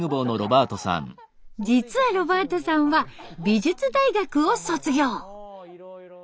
実はロバートさんは美術大学を卒業。